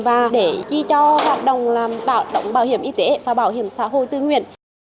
và để ghi cho hoạt động làm bảo hiểm y tế và bảo hiểm xã hội tư nguyện